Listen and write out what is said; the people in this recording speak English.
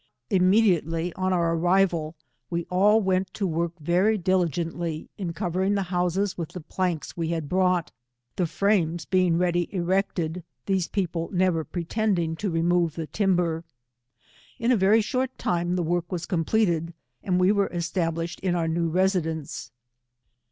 Immediately on our arrival, we all went to work very diligently in covering the houses with the planks we had brought, the frames being ready erected, these people never pretending to remove the timber. In a very sliort time the work was 105 completed, and we were established iu our new residence.